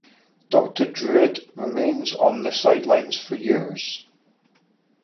Doctor Druid remained on the sidelines for years.